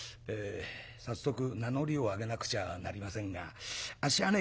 早速名乗りを上げなくちゃなりませんがあっしはね